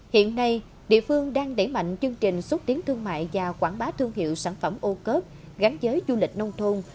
hiện nay địa phương đang đẩy mạnh chương trình xúc tiến thương mại và quảng bá thương hiệu sản phẩm ô cớp gắn với du lịch nông thôn